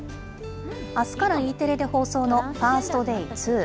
あすからＥテレで放送のファースト・デイ２。